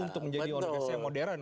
untuk menjadi orang orang yang modern